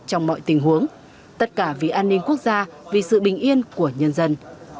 trong mọi tình huống tất cả vì an ninh quốc gia vì sự bình yên của nhân dân